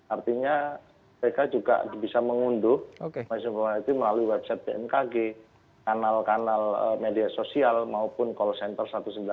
artinya mereka juga bisa mengunduh informasi itu melalui website bmkg kanal kanal media sosial maupun call center satu ratus sembilan puluh delapan